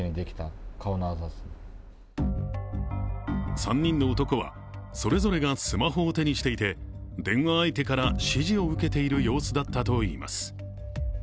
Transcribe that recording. ３人の男はそれぞれがスマホを手にしていて電話相手から指示を受けている様子だったといいます。